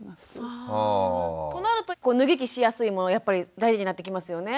となると脱ぎ着しやすいものやっぱり大事になってきますよね。